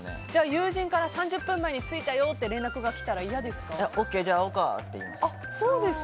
友人から３０分前に着いたよって連絡が来たらＯＫ、じゃあ会おうかって言います。